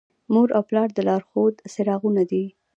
مور او پلار د لارښود څراغونه دي.